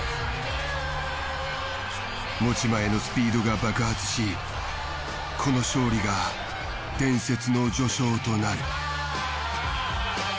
持ち前のスピードが爆発しこの勝利が伝説の序章となる。